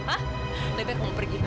lebih lebih kamu pergi